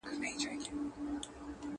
کله چي قدرت د يو چا په نر جوړولو کي